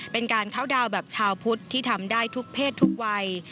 เป็นการเข้าดาวน์แบบชาวพุทธที่ทำได้ทุกเพศทุกวัย